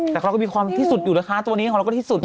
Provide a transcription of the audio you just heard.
แต่เราก็มีความที่สุดอยู่นะคะตัวนี้ของเราก็ที่สุด